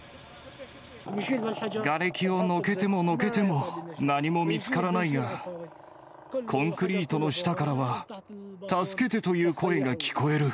がれきをのけてものけても、何も見つからないが、コンクリートの下からは、助けてという声が聞こえる。